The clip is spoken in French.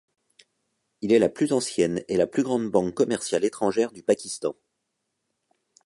Il est la plus ancienne et la plus grande banque commerciale étrangère du Pakistan.